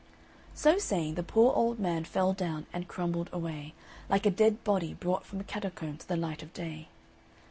So saying, the poor old man fell down and crumbled away, like a dead body brought from a catacomb to the light of day.